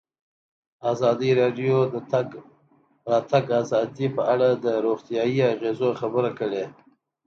ازادي راډیو د د تګ راتګ ازادي په اړه د روغتیایي اغېزو خبره کړې.